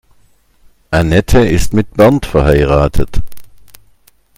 Anette ist mit Bernd verheiratet.